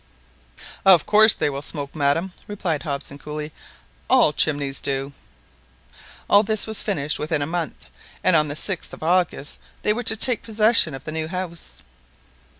"Of course they will smoke, madam," replied Hobson coolly; "all chimneys do!" All this was finished within a month, and on the 6th of August they were to take possession of the new house.